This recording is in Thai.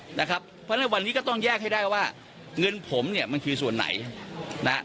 เพราะฉะนั้นวันนี้ก็ต้องแยกให้ได้ว่าเงินผมเนี่ยมันคือส่วนไหนนะครับ